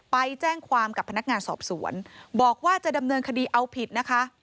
ไปแจ้งความกับพนักงานสอบสวนบอกว่าจะดำเนินคดีเอาผิดนะคะ